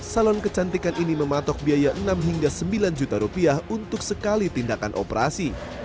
salon kecantikan ini mematok biaya enam hingga sembilan juta rupiah untuk sekali tindakan operasi